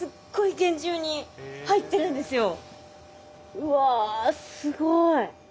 うわすごい。